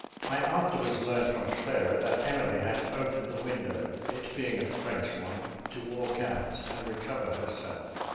I afterwards learned from Clara, that Emily had opened the window, it being a French one, to walk out and recover herself.